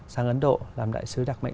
sang ấn độ làm đại sứ đặc mệnh